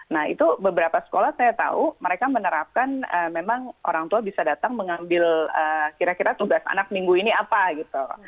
nah itu beberapa sekolah saya tahu mereka menerapkan memang orang tua bisa datang mengambil kira kira tugas anak minggu ini apa gitu